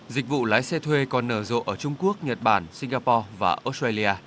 dịch vụ lái xe thuê còn nở rộ ở trung quốc nhật bản singapore và australia